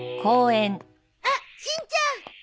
あっしんちゃん。